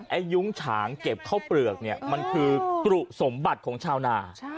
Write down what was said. ยุ้งฉางเก็บข้าวเปลือกเนี่ยมันคือกรุสมบัติของชาวนา